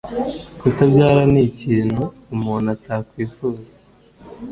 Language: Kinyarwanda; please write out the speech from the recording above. kutabyara ni ikintu umuntu atakwifuza.”